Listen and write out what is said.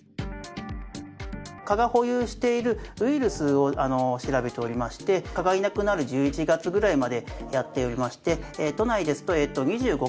蚊が保有しているウイルスを調べておりまして蚊がいなくなる１１月ぐらいまでやっておりまして都内ですと２５カ所。